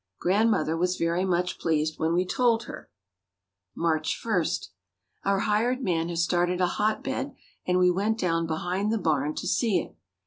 Grandmother was very much pleased when we told her. March 1. Our hired man has started a hot bed and we went down behind the barn to see it.